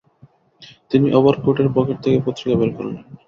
তিনি ওভারকোটের পকেট থেকে পত্রিকা বের করলেন।